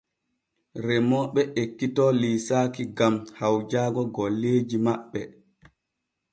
Remooɓe ekkito liisaaki gam hawjaago golleeji maɓɓe.